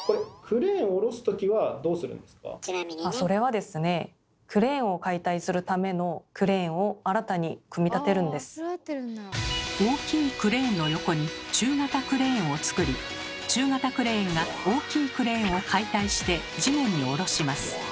あっそれはですね大きいクレーンの横に中型クレーンをつくり中型クレーンが大きいクレーンを解体して地面に下ろします。